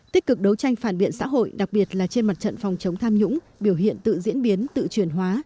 tích cực đấu tranh phản biện xã hội đặc biệt là trên mặt trận phòng chống tham nhũng biểu hiện tự diễn biến tự truyền hóa